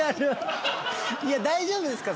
いや大丈夫ですか？